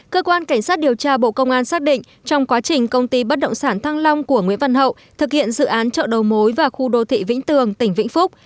cơ quan cảnh sát điều tra bộ công an xác định trong quá trình công ty bất động sản thăng long của nguyễn văn hậu thực hiện dự án chợ đầu mối và khu đô thị vĩnh tường tỉnh vĩnh phúc